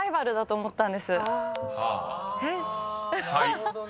なるほどね。